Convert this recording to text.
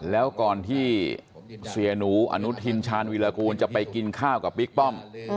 แล้วก่อนที่เสียหนูอนุทินชาญวิรากูลจะไปกินข้าวกับบิ๊กป้อม